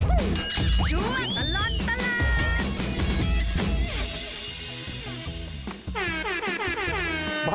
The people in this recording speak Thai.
ช่วงตลอดตลาด